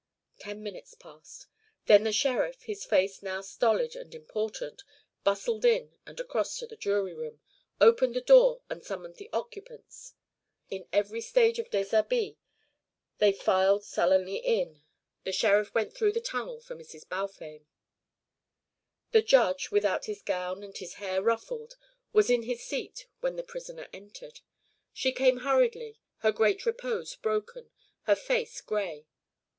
Ten minutes passed. Then the sheriff, his face now stolid and important, bustled in and across to the jury room, opened the door and summoned the occupants. In every stage of dishabille they filed sullenly in; the sheriff went through the tunnel for Mrs. Balfame. The Judge, without his gown and his hair ruffled, was in his seat when the prisoner entered. She came hurriedly, her great repose broken, her face grey.